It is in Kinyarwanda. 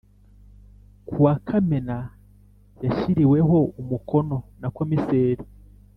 ku wa Kamena yashyiriweho umukono na komiseri